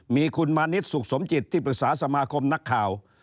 มีคุณมานิดสุขสมจิตที่ปรึกษาสมาคมนักข่าว